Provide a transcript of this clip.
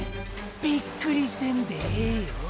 びっくりせんでええよ。